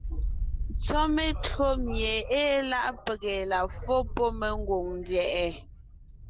Tsɔ́ metÿǒ mie ée láʼ pege la fó pɔ́ mengwòŋ ndyɛ̀ʼɛ.